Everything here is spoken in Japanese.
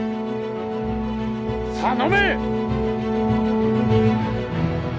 さあ飲め！